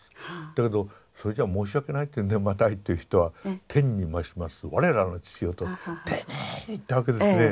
だけどそれじゃ申し訳ないっていうんでマタイっていう人は「天にましますわれらの父よ」と丁寧に言ったわけですね。